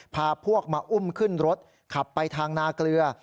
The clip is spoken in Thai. พาพวกมาอุ้มขึ้นรถขับไปทางนาเกลือ